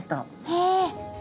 へえ。